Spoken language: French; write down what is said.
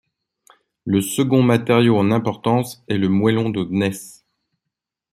Le second matériau en importance est le moellon de gneiss.